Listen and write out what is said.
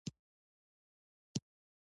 ایا زه باید په ساختمان کې کار وکړم؟